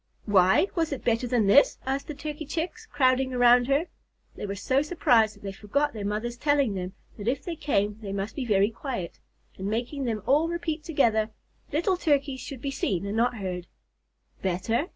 "Why! Was it better than this?" asked the Turkey Chicks, crowding around her. They were so surprised that they forgot their mothers' telling them that if they came they must be very quiet, and making them all repeat together, "Little Turkeys should be seen and not heard." "Better?